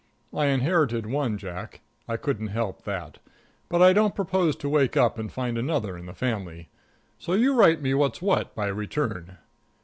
I inherited one Jack I couldn't help that. But I don't propose to wake up and find another one in the family. So you write me what's what by return.